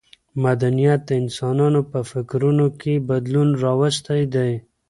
مدنیت د انسانانو په فکرونو کې بدلون راوستی دی.